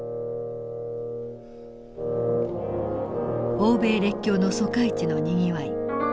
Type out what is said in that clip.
欧米列強の租界地のにぎわい。